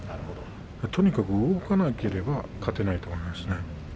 とにかく動かなければ勝てないと思いますね。